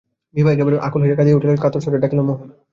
বিভা একেবারে আকুল হইয়া কাঁদিয়া উঠিল, কাতর স্বরে ডাকিল, মোহন।